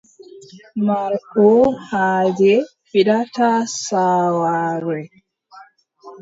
Marɗo haaje fiɗɗata saawawre.